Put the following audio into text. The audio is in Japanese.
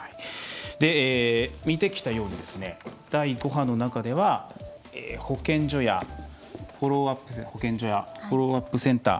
見てきたように、第５波の中では保健所やフォローアップセンター